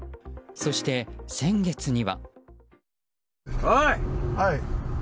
そして、先月には。